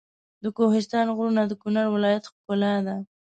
د کوهستان غرونه د کنړ ولایت ښکلا ده.